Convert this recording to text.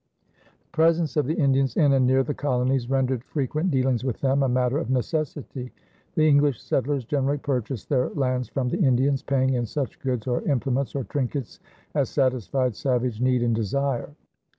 The presence of the Indians in and near the colonies rendered frequent dealings with them a matter of necessity. The English settlers generally purchased their lands from the Indians, paying in such goods or implements or trinkets as satisfied savage need and desire.